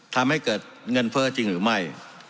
ทำให้เกิดเงินเฟ้อจริงหรือไม่